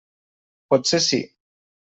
Potser sí.